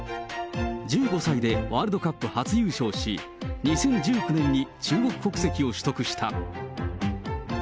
１５歳でワールドカップ初優勝し、２０１９年に中国国籍を取得した。